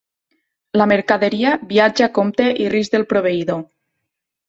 La mercaderia viatja a compte i risc del proveïdor.